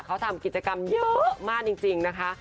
เขาทำกิจกรรมเยอะมากจริงนะคะ